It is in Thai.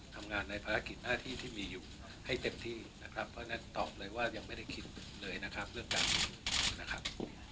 ทำงานในภารกิจหน้าที่ที่มีอยู่ให้เต็มที่นะครับเพราะฉะนั้นตอบเลยว่ายังไม่ได้คิดเลยนะครับเรื่องการเงินนะครับ